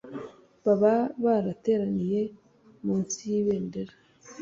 baba barateraniye munsi y'ibendera rye.